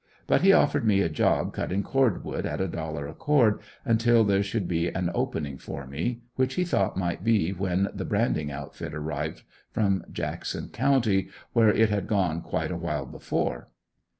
But he offered me a job cutting cord wood at a dollar a cord until there should be an opening for me, which he thought would be when the branding outfit arrived from Jackson county where it had gone quite a while before.